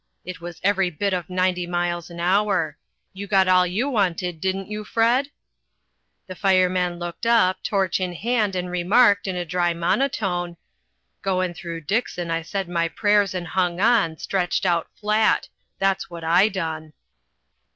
It was every bit of ninety miles an hour. You got all you wanted, didn't you, Fred?" The fireman looked up, torch in hand, and remarked, in a dry monotone: "Goin' through Dixon I said my prayers and hung on, stretched out flat. That's what I done."